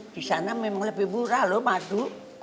disana memang lebih murah loh madu